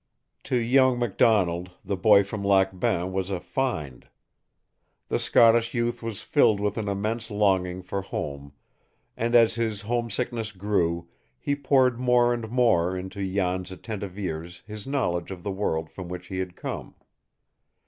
To young MacDonald, the boy from Lac Bain was a "find." The Scottish youth was filled with an immense longing for home; and as his homesickness grew, he poured more and more into Jan's attentive ears his knowledge of the world from which he had come.